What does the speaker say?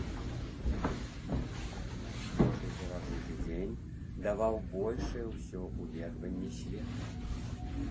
Кожны перажыты дзень даваў большае ўсё ўведванне свету.